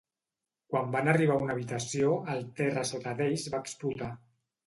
Quan van arribar a una habitació, el terra sota d'ells va explotar.